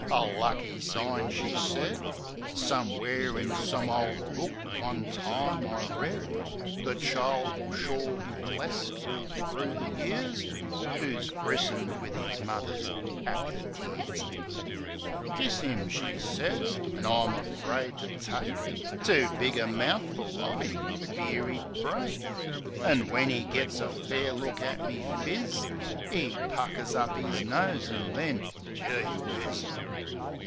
"A lucky sign," she said. "Somewhere, in some ole book, one time I read, 'The child will sure be blest all thro' the years Who's christened wiv 'is mother's 'appy tears.' " 106 THE SENTIMENTAL BLOKE "Kiss 'im," she sez. I was afraid to take Too big a mouthful of 'im, fear 'e'd break. An' when 'e gits a fair look at me phiz 'E puckers up 'is nose, an' then — Geewhizz!